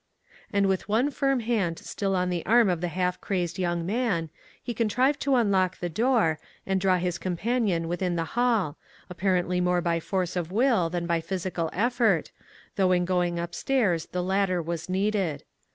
And with one firm hand still on the arm of the half crazed young man, he contrived to unlock the door, and draw his compan ion within the hall, apparently more by force of will than by physical effort, though in going up stairs the latter was needed.